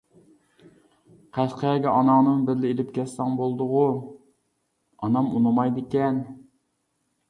-قەشقەرگە ئاناڭنىمۇ بىللە ئىلىپ كەتسەڭ بولىدىغۇ؟ -ئانام ئۇنىمايدىكەن.